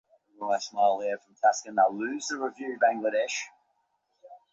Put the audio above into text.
হিন্দুদেরও প্রয়োজন স্বকীয় ধর্মবিশ্বাস বজায় রাখা।